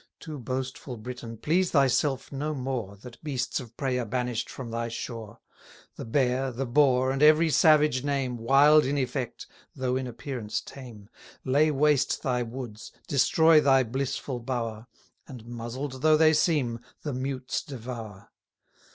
Too boastful Britain, please thyself no more, That beasts of prey are banish'd from thy shore: The Bear, the Boar, and every savage name, Wild in effect, though in appearance tame, Lay waste thy woods, destroy thy blissful bower, And, muzzled though they seem, the mutes devour.